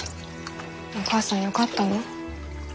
お母さんよかったの？